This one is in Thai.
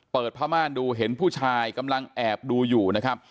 ผ้าม่านดูเห็นผู้ชายกำลังแอบดูอยู่นะครับ